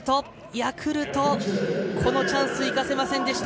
ヤクルト、このチャンスを生かせませんでした。